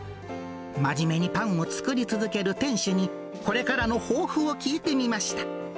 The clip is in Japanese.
真面目にパンを作り続ける店主に、これからの抱負を聞いてみました。